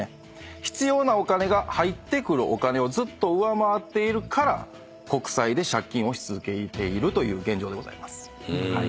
必要なお金が入ってくるお金をずっと上回っているから国債で借金をし続けているという現状でございます。